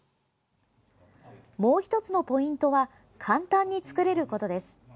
もう１つのポイントは簡単に作れることです。